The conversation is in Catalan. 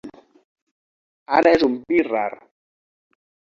Ara és un vi rar.